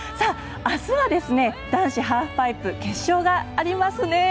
あすは、男子ハーフパイプ決勝がありますね。